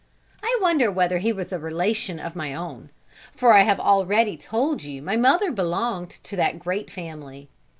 I wonder whether he was a relation of my own, for I have already told you my mother belonged to that great family.